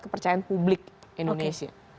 kepercayaan publik indonesia